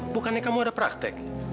bukannya kamu ada praktek